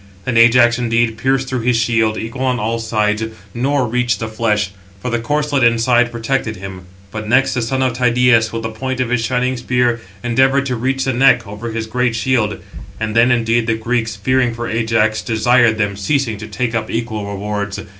Then Ajax, indeed, pierced through his shield, equal on all sides, nor reached the flesh; for the corslet inside protected him. But next the son of Tydeus, with the point of his shining spear, endeavoured to reach the neck, over his great shield. And then, indeed, the Greeks, fearing for Ajax, desired them, ceasing, to take up equal rewards.